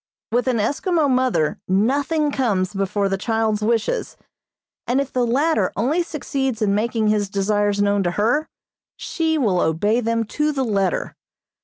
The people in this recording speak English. With an Eskimo mother nothing comes before the child's wishes, and if the latter only succeeds in making his desires known to her, she will obey them to the letter.